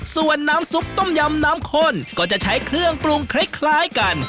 ส่วนน้ำซุปต้มยำน้ำข้นก็จะใช้เครื่องปรุงคล้ายกัน